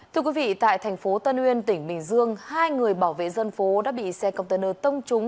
thưa quý vị tại thành phố tân uyên tỉnh bình dương hai người bảo vệ dân phố đã bị xe container tông trúng